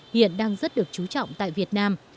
hiện đang rất được chú trọng tại việt nam